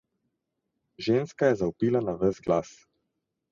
Ženska je zavpila na ves glas.